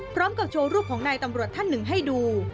โชว์รูปของนายตำรวจท่านหนึ่งให้ดู